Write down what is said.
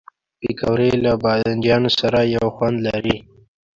پکورې له بادنجان سره یو خوند لري